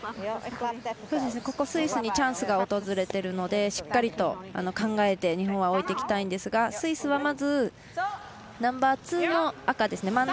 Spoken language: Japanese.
ここ、スイスにチャンスが訪れているのでしっかりと考えて、日本は置いていきたいんですがスイスはナンバーツーの赤ですね